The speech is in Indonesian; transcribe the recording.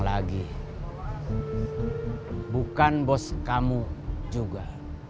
lagi bukan bos kamu juga